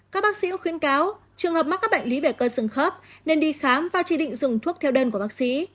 các bác sĩ cũng khuyên cáo trường hợp mắc các bệnh lý về cơ sừng khớp nên đi khám và chỉ định dùng thuốc theo đơn của bác sĩ